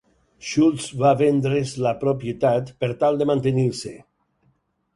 Shultz va vendre's la propietat per tal de mantenir-se.